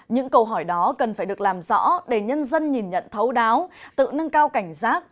những câu hỏi đó cần phải được làm rõ để nhân dân nhìn nhận thấu đáo tự nâng cao cảnh giác